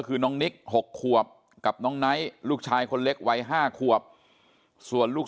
คือน้องนิก๖ขวบกับน้องไนท์ลูกชายคนเล็กวัย๕ขวบส่วนลูก